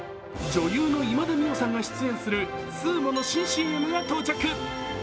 女優の今田美桜さんが出演するＳＵＵＭＯの新ＣＭが到着。